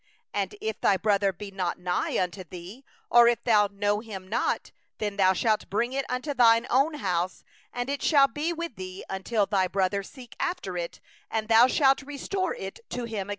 2And if thy brother be not nigh unto thee, and thou know him not, then thou shalt bring it home to thy house, and it shall be with thee until thy brother require it, and thou shalt restore it to him.